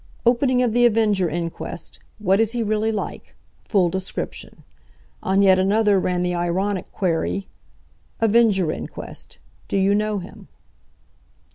"Opening of the Avenger Inquest. What is he really like? Full description." On yet another ran the ironic query: "Avenger Inquest. Do you know him?"